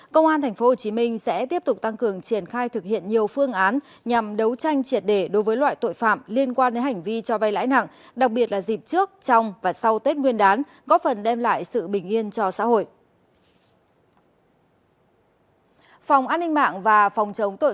công an tp hcm sẽ tiếp tục tăng cường triển khai thực hiện nhiều phương án nhằm đấu tranh triệt để đối với loại tội phạm liên quan đến hành vi cho vay lãi nặng đặc biệt là dịp trước trong và sau tết nguyên đán góp phần đem lại sự bình yên cho xã hội